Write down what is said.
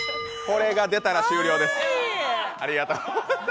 これが出たら終了です